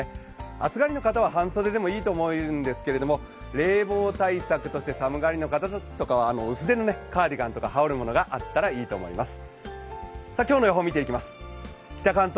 暑がりの方は半袖でもいいと思うんですけど冷房対策として寒がりの方とかは薄手のカーディガンとか、羽織るものがあったらいいと思います。